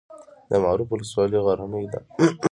د معروف ولسوالۍ غرنۍ ده